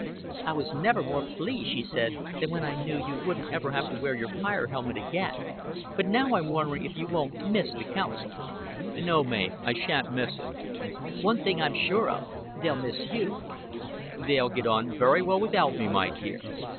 "I was never more pleased," she said, "than when I knew you wouldn't ever have to wear your fire helmet again; but now I'm wondering if you won't miss the Council." "No, Mav, I shan't miss it." "One thing I'm sure of they'll miss you." "They'll get on very well without me, my dear."